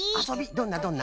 どんなどんな？